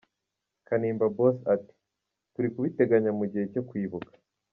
Kanimba Boss ati “ Turi kubiteganya mu gihe cyo kwibuka.